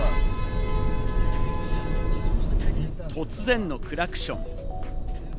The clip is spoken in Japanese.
突然のクラクション。